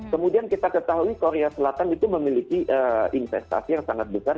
kemudian kita ketahui korea selatan itu memiliki investasi yang sangat besar